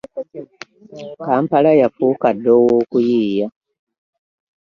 Kampala yafuuka dda ow'okuyiiya.